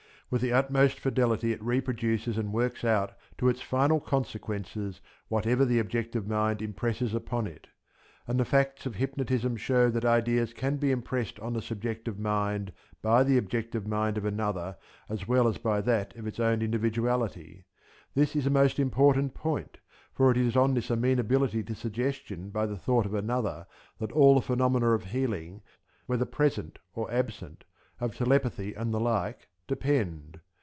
With the utmost fidelity it reproduces and works out to its final consequences whatever the objective mind impresses upon it; and the facts of hypnotism show that ideas can be impressed on the subjective mind by the objective mind of another as well as by that of its own individuality. This is a most important point, for it is on this amenability to suggestion by the thought of another that all the phenomena of healing, whether present or absent, of telepathy and the like, depend.